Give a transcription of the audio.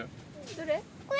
どれ？